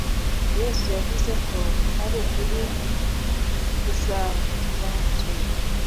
Yesu yavuze ko ari ukuri kuzatubatura